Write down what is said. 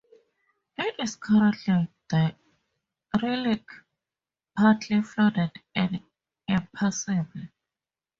It is currently derelict, partially flooded and impassible.